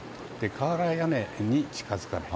瓦屋根に近づかない。